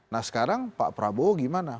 nah sekarang pak prabowo gimana